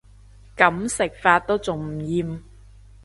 噉食法都仲唔厭